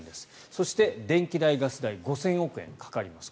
そして電気代、ガス代５０００億円かかります。